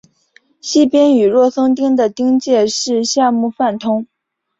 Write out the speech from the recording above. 西边与若松町的町界是夏目坂通。